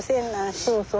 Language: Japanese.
そうそう。